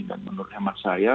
dan menurut emak saya